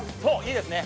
いいですね